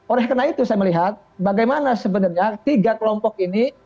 oleh karena itu saya melihat bagaimana sebenarnya tiga kelompok ini